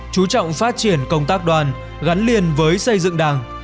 chú trọng phát triển công tác đoàn gắn liền với xây dựng đảng